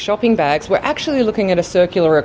kami sebenarnya melihat ekonomi yang berkeliling